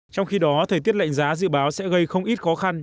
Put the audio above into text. trong khi đó thời tiết lạnh giá dự báo sẽ gây không ít khó khăn